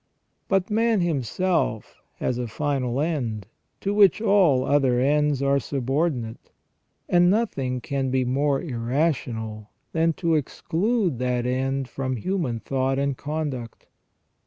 But man himself has a final end, to which all other ends are sub ordinate; and nothing can be more irrational than to exclude that end from human thought and conduct.